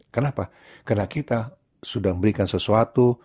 kenapa karena kita sudah memberikan sesuatu